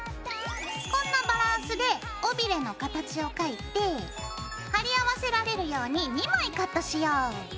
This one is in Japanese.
こんなバランスで尾びれの形を描いて貼り合わせられるように２枚カットしよう。